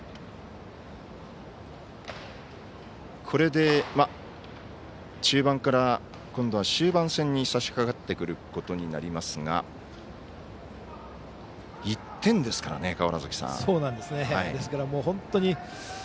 これで中盤から今度は終盤戦にさしかかってくることになりますが１点ですからね。